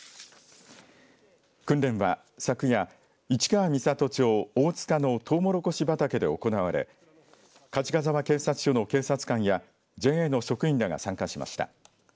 訓練は昨夜市川三郷町大塚のとうもろこし畑で行われ鰍沢警察署の警察官やＪＡの職員らが参加しました。